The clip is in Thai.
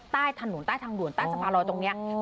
ใต้ถนนใต้ถังหลวนใต้สภารรอดตรงเนี้ยอ๋อ